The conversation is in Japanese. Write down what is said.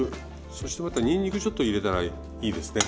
そしてまたにんにくちょっと入れたらいいですね。